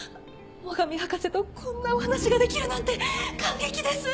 最上博士とこんなお話ができるなんて感激です！